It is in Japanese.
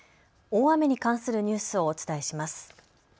大雨に関するニュースをお伝えします。